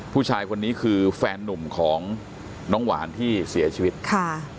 ผู้ชายคนนี้คือแฟนนุ่มของน้องหวานที่เสียชีวิตค่ะ